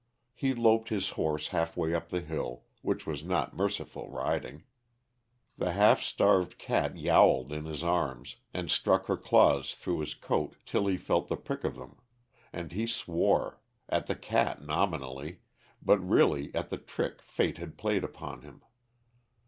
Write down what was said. He loped his horse half way up the hill, which was not merciful riding. The half starved cat yowled in his arms, and struck her claws through his coat till he felt the prick of them, and he swore; at the cat, nominally, but really at the trick fate had played upon him.